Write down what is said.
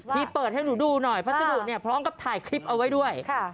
พี่เปิดให้หนูดูหน่อยพัสดุเนี่ยพร้อมกับถ่ายคลิปเอาไว้ด้วย